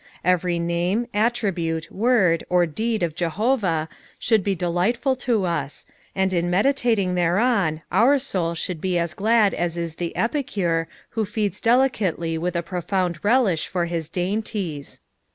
Every name, attribute, word, or deed of Jehovah, should be delightful to us, and in meditating thereon our ■nul should be as glad as is the epicure who feeds delicately with a profound telJsh for his dainties.